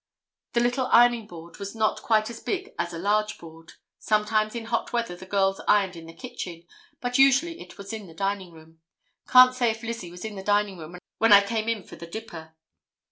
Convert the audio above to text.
The little ironing board was not quite as big as a large board. Sometimes in hot weather the girls ironed in the kitchen, but usually it was in the dining room. Can't say if Lizzie was in the dining room when I came in for the dipper."